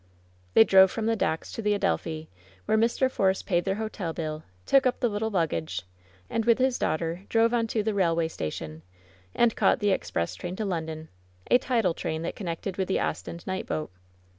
They drove from the docks to the Adelphi, where Mr. Force paid their hotel bill, took up the little luggage, and, with his daughter, drove on to the railway station, and caught the express train to London, a tidal train that connected with the Ostend night boat.